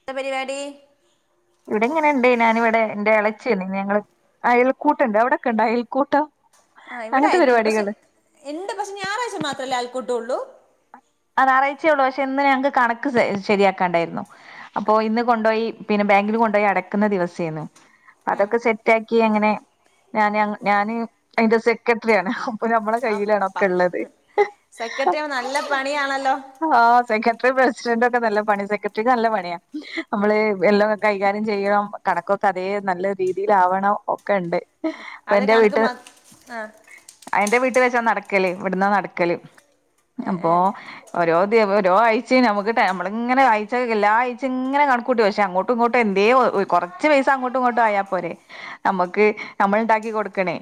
എന്താ പരിപാടി ഇവിടെ ഇങ്ങന്ണ്ട് ഞാനിവടെ എന്റെ എള ശെനി ഞങ്ങള് അയൽക്കൂട്ടണ്ട് അവടക്ക്ണ്ടാ അയൽക്കൂട്ടം ആ ഇവിടെ അങ്ങനത്തെ ആയൽകൂട്ടണ്ട് പഷെ പരിപാടികള് ഇണ്ട് പഷെ ഞായറാഴ്ച മാത്രല്ലേ ആയൽക്കൂട്ടൊള്ളൂ ആ ഞായറായ്ച്ചേഒള്ളൂ പക്ഷെ ഇന്ന് ഞങ്ങ്ക്ക് കണക്ക് സെ ശരിയാക്കാൻ ണ്ടായിരുന്നു അപ്പൊ ഇന്ന് കൊണ്ടോയി പിന്നെ ബാങ്കില് കൊണ്ടോയി അടക്ക്ന്ന ദിവസേന്ന് അ ഉം അതൊക്കെ സെറ്റാ ക്കി എങ്ങനെ ഞാനങ്ങ് ഞാന് അയ്ന്റെ സെക്കട്ട്രിയാണ് ഇപ്പ ഞമ്മളെ കയ്യിലാണ് അപ്പ ഒക്ക്‌ള്ളത് സെക്രട്ടറി നല്ല പണിയാണല്ലോ ആ സെക്കട്ട്രീം പ്രസിഡൻ്റ് ഒക്കെ ന്നല്ല പണി സെക്കട്ട്രിക്ക് ന്നല്ല പണിയാ നമ്മള് എല്ലാം കൈകാര്യം ചെയ്യണം കണക്കൊക്കെ അതേ നല്ല രീതിൽ ആവണം ഒക്കെ ഇണ്ട് അപ്പ അത് എന്റെ കണക്ക് വീട്ട് മാ ആ അ എന്റെ വീട് ഇട്ട് വെച്ചാ നടക്കല് ഇവ്ട്ന്നാ ന്നടക്കല് ഏ അപ്പൊ ഏ തെ വൊ ഓരോ ആയ്ചേമ് നമ്ക് നമ്മളിങ്ങനെ അയ്ച്ചേ എല്ലാ ആഴ്ച്ചേഇങ്ങനെ കണക്കൂട്ടി പക്ഷെ അങ്ങോട്ടും ഇങ്ങോട്ടും എന്തേ ഒ ഒര് കൊറച്ച് പൈസ അങ്ങോട്ടും ഇങ്ങോട്ടും ആയാ പോരെ നമ്മുക്ക് നമ്മളിണ്ടാക്കി കൊടുക്കണേ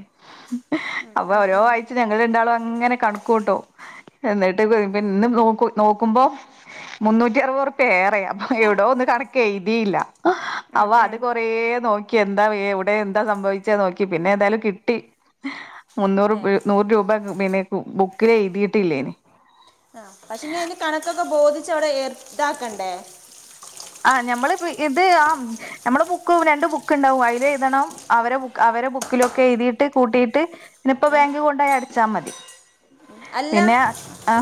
അപ്പൊ ഓരോ ആഴച്ച ഞങ്ങള് രണ്ടാളൊ ഇങ്ങനെ കണക്കുട്ടും എന്നിട്ട് വി ഇന്ന് നോക്ക് നോക്കുമ്പോ മുന്നൂറ്ററുവത് റുപ്യ ഏറെയാ എവ്ടോ ഒന്ന് കണക്കെയ്തിയില്ല ഉം അവ അത് ഉം കൊറേ നോക്കി എന്താ വെ എവിടെ എന്താ സംഭവിച്ചേ ന്നോക്കി പിന്നെ ഏതായാലും കിട്ടി ഏ മുന്നൂറുപ് ന്നൂർ രൂപ പിന്നെ ബുക്കില് എഴുതിയിട്ടില്ലേ ആ പക്ഷെ ഇനി അയ്ന്റെ കണക്കൊക്കെ ബോധിച്ചവടെ ഏർ ഇതാക്കണ്ടേ ആ ഞമ്മള് പ്പ ഇത് ആ നമ്മള് ബുക്കു രണ്ട് ബുക്ക്ണ്ടാവും അയ്ലെഴുതണം അവരെബുക്ക്‌ അവ അവരെ ബുക്കിലൊക്കെ എയ്തിട്ട് കൂട്ടീട്ട് ഇനിപ്പ ബാങ്കില് കൊണ്ടോയടച്ചാ മതി പിന്നെ ആ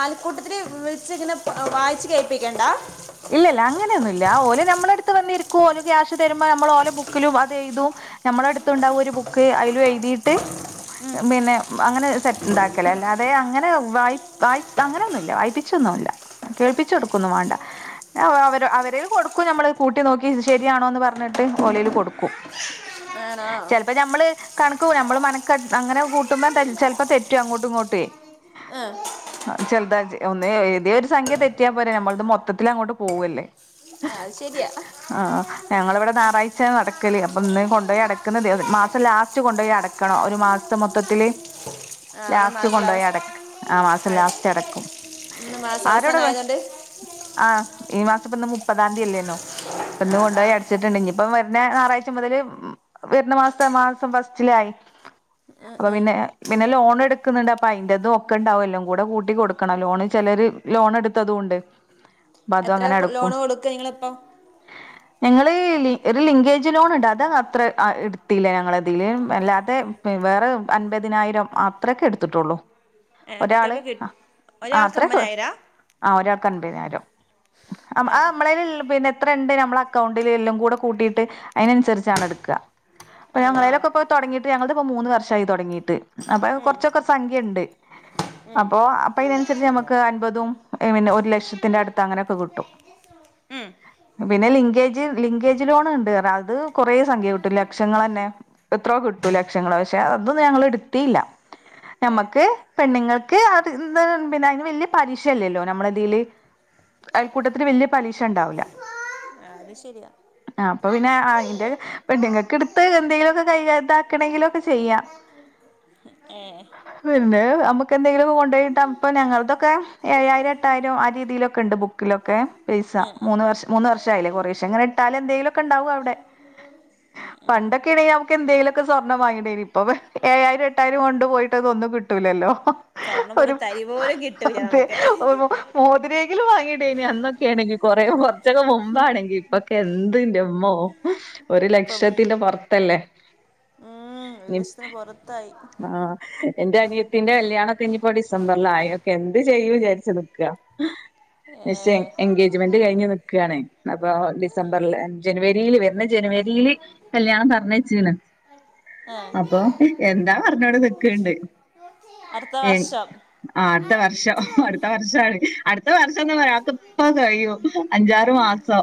അയൽക്കൂട്ടത്തില് വിളിച്ച് ഇങ്ങനെ വായിച്ച് കേൾപ്പിക്കണ്ടാ ല്ല ഓലെ നമ്മളടുത്ത് വന്നിരിക്കൂ ഓല് ക്യാഷ് തരുമ്പ നമ്മള് ഓലബുക്കിലും അതെയ്തും നമ്മുടെ അടുത്തുണ്ടാവും ഒരു ബുക്ക്‌ ബുക്ക് അയ്ലും എയ്തിട്ട് പിന്നെ അങ്ങനെ സെറ്റ്ണ്ടാക്കലേ അല്ലാതെ അങ്ങനെ വായ് വായ് അങ്ങനൊന്നുല്ല വായ്പ്പിച്ച ന്നുല്ല്യ കേൾപ്പിച്ചോട്ക്കൊന്നും വേണ്ട അത് അവര അവരയില് കൊടുക്കും നമ്മള്. കൂട്ടി നോക്കി ശരിയാണോന്ന് പറഞ്ഞിട്ട് ഓലയില് കൊടുക്കും ആണോ ചെലപ്പ ഞമ്മള് കണക്ക് കൂ ഞമ്മള് മനക്കണ അങ്ങനെ കൂട്ടുമ്പോ ചെലപ്പ തെറ്റും അങ്ങോട്ടു ഇങ്ങോട്ട്വേ ആഹ് അഹ് ചെലതാ ഒന്ന് ഏതേ ഒരു സംഖ്യ തെറ്റിയാ പോരേ ഞമ്മൾത് മൊത്തത്തിലങ്ങോട്ട് പോവല്ലേ ആ, ശരിയാ ഞങ്ങള ഇവിടെ ഞാറാഴ്ച്യാ നടക്കല്. അപ്പന്ന് കൊണ്ടോയി അടക്ക്ന്ന ദിവ മാസം ലാസ്റ്റ് കൊണ്ടോയി അടക്കണം ഒരു മാസ് ത് മൊത്തത്തില് ആ ഇന്ന് ലാസ്റ്റ് മാസാവസ് കൊണ്ടുപോയടക്ക് ആ മാസം ലാസ്റ്റ് അടക്കും. ഇന്ന് ആരോട മാസാവസാനം വേ ആയതുകൊണ്ട് ഈ മാസം ഇപ്പൊന്ന് മുപ്പതാം തീയ്യല്ലേന്നോ? അപ്പൊന്ന് ആ ആ കൊണ്ടോയി അടച്ചിട്ടുണ്ട്. ഇനി ഇപ്പ വര്ണ ഞാറാഴ്ച മുതല് വര്ന്ന മാസത്തെ മാസം ഫസ്റ്റില ആയി അപ്പൊ പിന്നെ പിന്നെ ലോൺ എടുക്കുന്നുണ്ട് അപ്പൊ അയിന്റതും ഒക്കെ ഉണ്ടാവും എല്ലാം കൂടെ കൂട്ടി കൊടുക്കണം ലോണ് ചെല ലോണെടുത്തതൂണ്ട് എത്ര ലോണ് കൊടുക്കല് നിങ്ങളിപ്പോ ഞങ്ങള് ഒരു ലിങ്കേജ് ലോണ് ഇണ്ട്. അത് അത്ര എടുത്തില്ല ഞങ്ങളതില് അല്ലാതെ വേറെ അൻപതിനായിരം അത്രൊക്കെ എടുത്തിട്ടുള്ളൂ ഏ ഒരാള് അത്രയൊക്കെ കിട്ട ആ ഒരാൾക്ക് അത്രയൊക്കെ അമ്പതിനായിരാ ആ ഒരാക്കൻപതിനായിരം ഏ ആ നമ്മളയിൽ പിന്നെ എത്രണ്ട് നമ്മളെ അക്കൗണ്ടിൽ എല്ലാം കൂടെ കൂട്ടീട്ട് അതിനനുസരിച്ചാണ് എടുക്കുക അപ്പ ആണോ ഞങ്ങളേലൊക്കെപ്പൊ തൊടങ്ങീട്ട് ഞങ്ങൾത് ഇപ്പോ മൂന്ന് വർഷായി തൊടങ്ങീട്ട് ട്ട്. അപ്പ ഉം കൊറച്ചൊക്കെ സംഖ്യണ്ട് ഉം അപ്പൊ അപ്പൊ ഇതിനനുസരിച്ച് നമുക്ക് അൻപതും പിന്നെ ഒരു ലക്ഷത്തിന്റെ അടുത് ത്ത് അങ്ങനെയൊക്കെ കിട്ടും ഉം പിന്നെ ലിങ്കേജ്, ലിങ്കേജ് ലോണ് ഇണ്ട് പറഞ്ഞ്. അത് കൊറേ സംഖ്യ കിട്ടു. ലക്ഷങ്ങളന്നെ. എത്രയോ കി ട്ടു ലക്ഷങ്ങള് പക്ഷെ. അത് ഞങ്ങള് എട്ത്തീല്ല. ഏ ഞമ്മക്ക് പെണ്ണുങ്ങൾക്ക് പിന്നെ അത് ന്നാ പിന്നെ അയിന് വല്യ പലിശ അല്ലല്ലോ നമ്മള ഇതില് അയൽക്കൂട്ടത്തില് വല്യ പലിശ ഇണ്ടാവൂല അത് ശരിയാ അപ്പൊ പിന്നെ അയിന്റെ പെണ്ണുങ്ങൾക്ക് എടുത്ത് എന്തെങ്കിലുമൊക്കെ കൈക ഇതാക്കണെങ്കിലും ഒക്കെ ചെയ്യാം ഏ പിന്നെ നമ്മുക്ക് എന്തെങ്കിലും കൊണ്ടുപോയിട്ട ഇപ്പൊ ഞങ്ങളതൊക്കെ ഏഴായി എട്ടായിരം ആ രീതിയിലൊക്ക ഇണ്ട് ബുക്കിലൊക്കെ പൈസ. ഉം ഉം മൂന്ന് വർഷ മൂന്ന് വർഷായില്ലേ കുറേശ് പക്ഷെ ഇങ്ങനെ ഇട്ടാലെ എന്തെങ്കിലു ഒക്കെ ഇണ്ടാവൂ അവിടെ ഉം ഉം പണ്ടൊക്കെ ആണെങ്കി നമുക്ക് എന്തേലൊക്കെ സ്വർണ് വാങ്ങിടേനു. ഇപ്പൊ ഏഴായിരം എട്ടായിരം കൊൺ ണ്ട് പോയിട്ടൊന്നും ഒന്നും കിട്ടൂല്ലല്ലോ? സ്വർണ്ണം ഒരു തരി പോലും കിട്ടൂല അതെ നമുക്ക് ഒരു മോതിരെ ങ്കിലും വാങ്ങിടേനി അന്നൊ ക്കാണെങ്കിൽ കൊറേ കൊറച്ചൊക്കെ മുമ്പാണെങ്കി. ഇപ്പൊക്കെ എന്ത് ഇന്റമ്മോ. ഒരു ഇപ്പം ലക്ഷത്തിന്റെ പൊറത്തല്ലേ? ഉം ഒരു ഇനി ലക്ഷത്തിന് പൊറത്താ ആഹ് എന്റെ അനിയത്തീന്റെ കല്യാണൊക്കെ ഇനിയിപ്പോ ഡിസംബറിൽ ആയ എന്ത് ചെയ്യും വിചാരിച്ച് നിക്കാ. ഏ നിശ്ചയം എൻഗേജ്മെന്റ് കഴിഞ്ഞ് നിക്ക്വാണ്. അപ്പോ ഡിസംബറില് ജനുവരിയില് വര്ന്ന ജനുവരിയില് കല്യാണം പറഞ്ഞെച്ചിനേനു ആ അപ്പൊ എന്താ പറഞ്ഞോടെ നിക്കണ്ട് അടുത്ത വർഷം ആ അടുത്ത വർഷം. അടുത്ത വർഷാണ്. അടുത്ത വർഷംന്ന് പറയാക്ക് ഇപ്പ കഴിയും അഞ്ചാറ് മാസോ.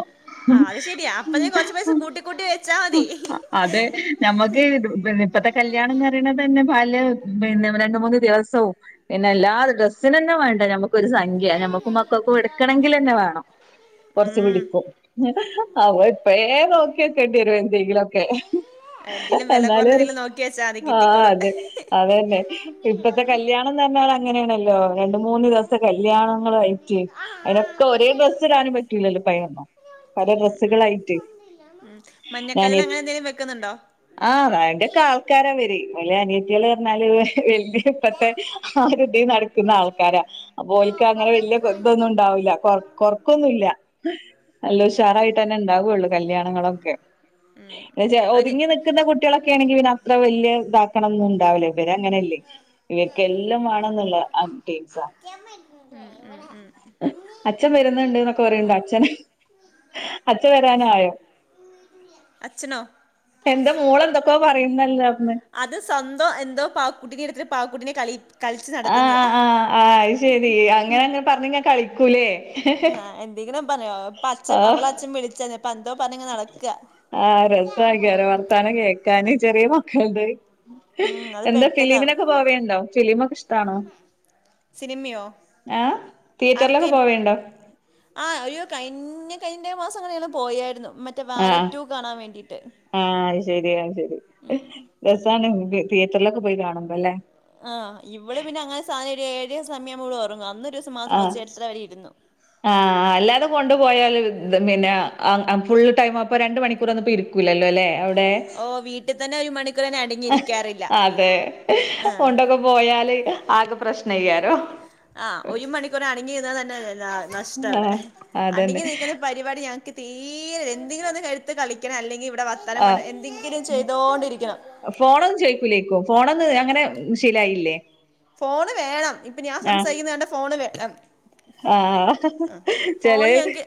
ആ അത് ശരിയാ അപ്പൊ ഉം നീ കൊറച്ച് പൈസ കൂട്ടി കൂട്ടി വെച്ചാ ഉം മതി അതെ. ഞമ്മക്ക് പിന്നെ ഇപ്പത്തെ കല്യാണംന്ന് പറയണ പിന്നെ പല് പിന്നെ രണ്ട് മൂന്ന് ദിവസവും പിന്നെ എല്ലാ ഡ്രസ്സിനന്നെ വേണ്ടേ ഞമ്മക്ക് ഒരു സംഖ്യ നമ്മക്ക് മക്കൾക്കും എടുക്കണമെങ്കിൽ തന്നെ വേണം കൊറച്ച് ഉം പിടിക്കും. അതാ ഇപ്പഴേ നോക്കി വെക്കേണ്ടി വരും എന്തെങ്കിലു ഒക്കെ എന്തേലും വില എന്നാല് കുറഞ്ഞെന്തേലും നോക്കി വെച്ചാൽ മതി ആ കിട്ടിക്കോളും അതന്ന അതന്നെ ഇപ്പത്തെ കല്യാണന്ന് പറഞ്ഞാലങ്ങനെയാണല്ലോ രണ്ട് മൂന്ന് ദെവസ കല്യാണങ്ങളയിറ്റ് അയ്നൊക്കെ ഒരേ ഡ്രെസ്സ് ഇടാനും പറ്റൂലല്ലോ പയന്നോ പല ഉം ഉം ഡ്രെസ്സുകളായിട്ട് ഉം മഞ്ഞക്കല്ലിൽ [unintelligible] അങ്ങനെ എന്തെലും വെക്കുന്നുണ്ടോ ആൾക്കാരാ [unintelligible] അയ്ല് അനിയത്തിയള് ന്നർഞ്ഞാല് വല്യ പ്പത്തെ ആരുതി നടക്കുന്ന ആൾക്കാരാ അപ്പൊ ഓൽക് അങ്ങനെ വല്യ ശ്രദ്ധൊന്നുണ്ടാവൂല്ല ല്ല കൊർ കൊർക്കൊന്നുല്ല നല്ല ഏ ഉഷാറായിട്ടന്നെ ണ്ടാവൊള്ളു കല്യാണങ്ങളൊക്കെ ഉം ന്നച ഒരു ഒതുങ്ങി നിക്കുന്ന കുട്ട്യളൊക്കെയാണെങ്കി പിന്നെ അത്ര വല്യ താക്കണംന്നും ഉണ്ടാവൂലെ ഇവരങ്ങനെയല്ലേ ഇവയ്ക്ക് എല്ലാം വേണംന്നുള്ള ആപ്ടെത്സാ ഉം ഉം അച്ഛം വരുന്നുണ്ട് ന്നൊക്കെ പറയ്ണ്ട് അച്ഛൻ അച്ഛൻ വരാനായോ അച്ചനോ എന്റെ മോളന്തൊകൊ പറയുന്നല്ലോ അവ്ട്ന്ന് അത് സ്വന്തം എന്തോ പാക്കുട്ടിനെ ഇടുത്ത് പാക്കുട്ടിനെ കളി കളിച്ച് ആ ആ നടക്കുന്നയാ ആ ആ അയ് ശെരി അങ്ങനെക്ക പറഞ്ഞങ് കളിക്കൂലേ ആ എന്തെങ്കിലും പറയോ പ്പൊ അച്ഛൻ ആഹ് അവളെ അച്ഛൻ വിളിച്ചെ പ്പൊ ന്തോ പറഞ്ഞങ്ങനെ നടക്ക ക്കാന് ചെറിയ മക്കൾണ്ട് ഉം അത് എന്താ പെട്ടെന്നാവും ഫിലിമിനൊക്കെ പോവേണ്ടോ ഫിലിമൊക്കെഷ്ടാണോ സിനിമയോ ആ തീയറ്ററിലൊക്കെ ആർക്കനി പോവേണ്ടോ ആ ഒരു കയിഞ്ഞ കയിന്റേ മാസം ങ്ങനെള് പോയാരുന്നു ആ ആ ആ അയ് ശരി അയ് ശരി രസാണ് തിയറ്ററിലൊക്കെ പോയി കാണുമ്പല്ലേ! ആ ഇവള് പിന്നെ അങ്ങനെ സാന ഏഴ് സമയവുമ്പോവ്ളൊറങ്ങും അന്ന് ഒരുസം മാത്രം കൊച്ച്എണീച് അവ്ടീര്ന്ന് ആ ആ അല്ലാതെ കൊണ്ടുപോയാല് ദ പിന്നെ അ അ ഫുള്ള് ടൈമ് അപ്പ രണ്ട് മണിക്കൂർ ന്നപ്പോ ഇരിക്കു ഉല്ലല്ലോലെ? എവ്ടെ ഓ വീട്ടിൽ തന്നെ ഒരു മണിക്കൂറിന് അഹ് അടങ്ങിയിരിക്കാറില്ല അതെ ആഹ് കൊണ്ടൊക്കെ പോയാ ആല് ആകെ പ്രശ്ന [unintelligible] ആ ഒരുമണിക്കൂർ അടങ്ങിഇര്ന്നാതന്നെ ന്ന നഷ്ടവടെ ആഹ് അതന്നെ അടങ്ങിനിക്കുന്ന പരുപാടി ഞക്ക് തീരെ എന്തങ്കിലു ഒന്ന്എട്ത്ത് കളിക്കണം അല്ലെങ്കിൽ ഇവിട ടെ വർത്താനം പറഞ് ആഹ് എന്തെങ്കിലും ചെയ്തോണ്ടിരിക്കണം ഫോണൊന്ന് അങ്ങനെ മ് ശീലായില്ലേ ഫോണ് വേണം ഇപ്പൊ ഞാൻ സംസാരിക്കുന്നെ കണ്ട ഫോണ് വേണം ആ ആ ആഹ് ഹ ആ ഹ ചേലെ ഫോണിൽ ഞങ്ങക്ക്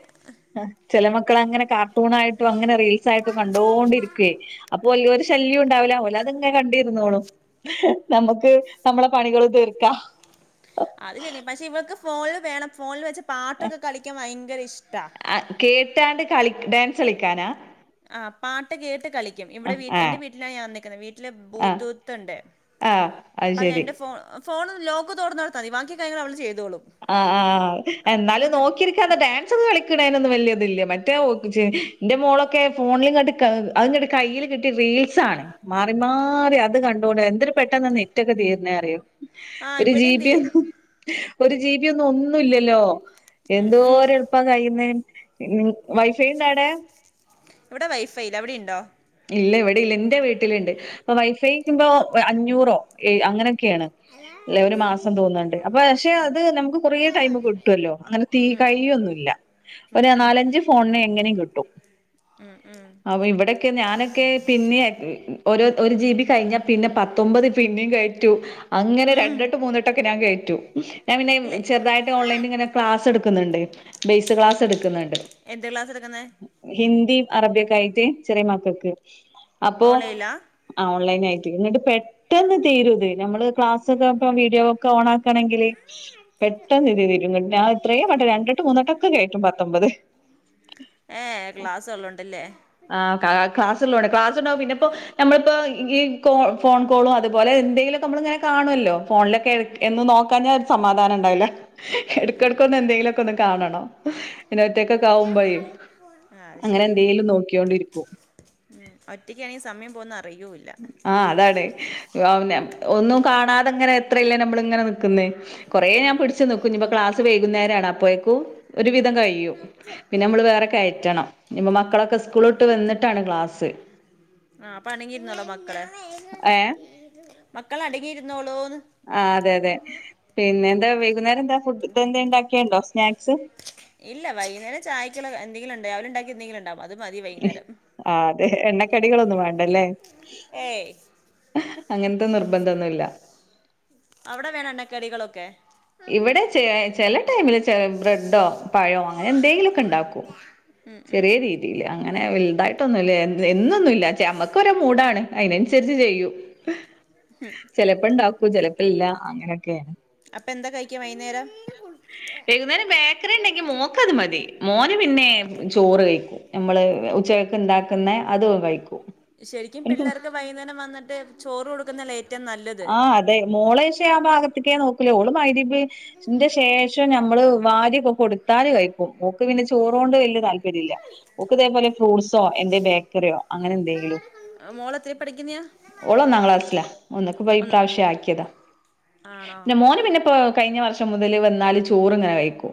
അ ചെല മക്കളങ്ങനെ കാർ ടൂണായിട്ടും അങ്ങനെ റീൽസായിട്ടും കണ്ടോണ്ടിരികുവേ അപ്പൊ വല്യോരു ശല്ല്യണ്ടാവില്ല ഓല് അത്ങ്ങെ കണ്ടിര്ന്നോളും ന്നമ്മക്ക് ന്നമ്മള പണികള് തീർക്കാ [inaudible] അത് ശരി. പക്ഷെ ഇവക്ക് ഫോണില് വേണം ഫോണില് വെച്ച പാട്ടൊക്കെ കളിക്കാ ഭയങ്കര ഇഷ്ട ആ കേട്ടാണ്ട് കളി ഡാൻസ് കളിക്കാനാ ആ പാട്ട് കേട്ട് കളിക്കും ഇവിടെ ആഹ് വീട്ടി എന്റെ വീട്ടിലാണ് ഞാ വന്നേക്കുന്നെ വീട്ടില് ആഹ് ബൂട്ടൂത്തണ്ട് ആഹ് അത് അപ്പ ശരി എന്റെ ഫോ ഫോണ് ലോക്ക് തോർന്നോട്ത്തതി ബാക്കി കാര്യങ്ങൾ അവള് ചെയ്തോളു ആ ആ അ എന്നാലും നോക്കിര്ക്കാതെ ഡാൻസൊക്കെ കളിക്കണേനൊന്നും വല്ല്യ ദ്ല്ല്യ മറ്റേ ഒ ഒ ജ് ന്റെ മോളൊക്കെ ഫോണിൽ ങ്ങട്ട് അഹ്‌ങ്ങട്ട് കയ്യിൽ കിട്ട്യാ റീൽസ്അണ് മാറി മാറി അത് കണ്ടോണ്ട് എന്തോരു പെട്ടെന്ന നെറ്റൊക്കെ തീരണേന്നറിയോ ആഹ് ഒരു ഇവിടെയും ജിപി തിരിയും ഹ്‌ ഒരു ജിപിന്നു ഒന്നുല്ലല്ലോ ഉം ഉം എന്തോര് എൾപ്പ കയുന്നേ മം വൈഫൈണ്ടാടെ? ഇവിടെ വൈഫൈല്ല അവിടെ ണ്ടോ? ഇല്ല ഇവിടെ ഇല്ല ന്റെ വീട്ടില്ണ്ട് അപ്പ വൈഫൈക്കുമ്പോ അഞ്ഞൂറോ അങ്ങനെ [inaudible] ക്കേണ് ല്ലേ ഒരു മാസം തോന്ന്ണ്ട് അപ്പ ക്ഷെ അത് നമ്ക്ക് കൊറേ ടൈം കിട്ടോല്ലോ അങ്ങനെ തീ ഉം കൈയ്യോന്നുല്ല ഉം ഒരു ഉം നാലഞ്ച് ഫോണിന് എങ്ങനേം കിട്ടും ഉം ഉം അവ്വോ ഇവിടൊ ക്കെ ഞാനൊക്കെ പിന്നെ ഒരൊ ഒരു ജി ബി കഴിഞ്ഞാ പിന്നെ പത്തൊമ്പത് പിന്നിം കയറ്റു അങ്ങനെ ഉം രണ്ടട്ടു മൂന്നിട്ടൊക്കെ ഞ കയറ്റു ഞാ പിന്നെ ഇല്ലേ ചെറുതായിട്ട് ഓൺലൈനിങ്ങനെ ക്ലാസടുക്കുന്നുണ്ട് ബേസ് ക്ലാസ് എടുക്കുന്നുണ്ട് എന്ത് ക്ലാസ് എടുക്കുന്നെ ഹിന്ദിം അറബിയൊക്കെ ആയിട്ട് ചെറിയ മക്കൾക്ക് അപ്പോ ഓൺലൈനിലാ അ ഓൺലൈനായിട്ട് പെട്ടെന്ന് തീരുത് നമ്മള് ക്ലാസ്സോക്കെ ഇപ്പ വീഡിയോ ഒക്കെ ഓണാ ണെങ്കില് പെട്ടെന്ന് ഇത് ഇതിരും ഞാൻ ഇത്രയും വട്ടം രണ്ടുട്ടം മൂന്നോട്ടൊക്കെ കയറ്റും പത്തൊമ്പത് [unintelligible] ഏ ക്ലാസ്സോള്ളോണ്ടല്ലേ ആ ക്ലാസ്സുള്ളോടെ ക്ലാസ്സുണ്ടാവും പിന്നെപ്പോ നമ്മളിപ്പോ ഈ കോ ഫോൺ കോളോ അതുപോലെ എന്തെങ്കിലും നമ്മള്ഇങ്ങനെ കാണുമല്ലോ ഫോണിലൊക്കെ ഇടക് എന്നുംനോക്കാഞ്ഞാ ഒരു സമാധാനംണ്ടാവല്ല എടുക്കടുക്ക എന്തെങ്കിലും ടക്കെ ഒന്നു കാണണം ഇങ്ങനെ ഒറ്റൊക്കൊയാവുമ്പോയി ആഹ് അത് അങ്ങനെ ശരിയാ എന്തെങ്കിലും നോക്കി ഉ ഒറ്റക്കായാ സമയം പോകുന്ന അറിയൂല്ല ആഹ് അതാണേ വാ പിന്നെ ഒന്നും കാണാതെങ്ങനെ എത്രയില്ലേ നമ്മളിങ്ങനെ ക്ക്ന്നേ കൊറേ ഞാൻ ഉം പിടിച്ചു നിക്കും ഇനി ഇപ്പൊ ക്ലാസ് വൈകുന്നേരാണ് അപ്പോഴെക്കു ഒരു വിധം കഴിയും പിന്നെ നമ്മള് വേറെ കയറ്റണം നിമ മക്കളൊക്കെ സ്കൂള് വിട്ട് വന്നിട്ടാണ് ക്ലാസ്സ് [unintelligible] ആ അപ്പൊ അടങ്ങിയിരുന്നോളോ മക്കള് ഏഹ് മക്കള് അടങ്ങിയിരുന്നോളോ ആ അതെ അതെ പിന്നെ എന്താ വൈകുന്നേരം എന്താ ഫുഡ് ഇതെന്താ ഇണ്ടാക്കിയണ്ടോ സ്നാക്സ് ഇല്ല വൈകുന്നേരം ചായക്കുള്ളത് എന്തെങ്കിലും ണ്ട് അവര് ഉണ്ടാക്കിയത് എന്തെങ്കിലും ഉണ്ടാവും അത് മതി വൈകുന്നേരം ആ അതെ എണ്ണക്കടികളൊന്നും വേണ്ടല്ലേ ഏയ് അങ്ങനത്തെ നിർബന്ധൊന്നുവില്ല അവിടെ വേണോ എണ്ണ കടികളൊക്കെ ഇവിടെ ചെ ചെല ടൈമില് ബ്രെഡോ പഴോ അങ്ങനെ എന്തെങ്കിലുമൊക്കെ ഉണ്ടാക്കും ഉം ഉം ചെറിയ രീതിയിൽ അങ്ങനെ വലുതായിട്ടൊന്നുമില്ല എന്ത് എന്നൊന്നുമില്ല ചെ അപ്പ ക്കൊരു മൂഡാണ് അതിനനുസരിച്ച് ചെയ്യും ചിലപ്പോണ്ടാ ചിലപ്പില്ല അങ്ങനെയൊക്കെ അപ്പൊ എന്താ കഴിക്കാ വൈകുന്നേരം വൈകുന്നേരം ബേക്കറി ഉണ്ടെങ്കി മോക്കത് മതി മോന് പിന്നെ ചോറ് കഴിക്കും നമ്മള് ഉച്ചകൊക്കെ ഉണ്ടാക്കുന്നേ അതു കഴിക്കും ശരിക്കും എനിക്ക് പിള്ളേർക്ക് വൈുന്നേരം വന്നിട്ട് ചോറ് കൊടുക്കുന്നതല്ലേ ഏറ്റവും നല്ലത് ആ അതെ മോളേശ് ആ ഭാഗത്ത് ക്കേ നോക്കൂല ഓള് മൈരിബ്ന്റെ ശേഷം ഞമ്മള് വാരി കൊടുത്താല് കഴിക്കും ഓക്ക് പി ങ്ങനെ ചോറുകൊണ്ട് വലിയ താല്പര്യമില്ല ഓക്ക് ഇതേപോലെ ഫ്രൂട്ട്സോ എന്റെ ബേക്കറിയോ അങ്ങനെ എന്തെങ്കിലും മോള് എത്ര പഠിക്കുന്നയാ ഓള് ഒന്നാം ക്ലാസ്സില ഒന്നൊക്കെ പോയി ഒന്ന് പ്രാവിശ്യം ആക്കിയതാ ആണോ പിന്നെ മോന് പിന്നെപ്പോ കഴിഞ്ഞ വർഷം റ്റം മുതല് വന്നാല് ചോറ്ങ്ങനെ കഴിക്കും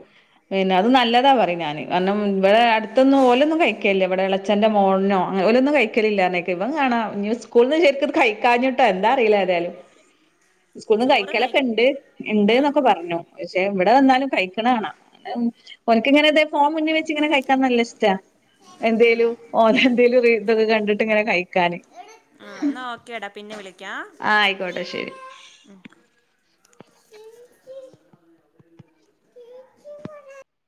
പിന്നെ അത് നല്ലതാ പറഞ്ഞാല് കാരണം ഇവിടെ അടുത്തൊന്നും ഓലൊന്നും കഴിക്കല്ല ഇവിടെ അച്ഛന്റെ മോൾനോ അങ്ങ ഓലോന്നും കഴിക്കലില്ലോന്നോ ക്കിവൻ കാണാ ഇനി സ്‌കൂളിന്ന് ശരിക്കും കഴിക്കാഞ്ഞിട്ടാ എന്താ യിലഏതായലും സ്കൂളന്ന് ചോറ് കഴി കഴിക്കലൊക്കെ ഇണ്ട് ആ ഇണ്ട്ന്നൊക്കെ പറഞ്ഞു പക്ഷെ ഇവിടെ വന്നാലും കഴിക്കും ക്കണകാണാം ഒനക്കിങ്ങനെ ഇത ഫോം മുന്നിൽ വെച്ച് ഇങ്ങനെ കഴിക്കാൻ നല്ല ഇഷ്ടാ എന്തേലും ഓന എന്തേലും റി ഇതൊക്കെ കണ്ടിട്ട് ഇങ്ങനെ കഴിക്കാന് ആ നോക്കെടാ പിന്നെ വിളിക്കാം ആ ആയിക്കോട്ടെ ശെരി ഉം